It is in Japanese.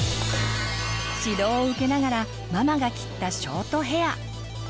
指導を受けながらママが切ったショートヘア。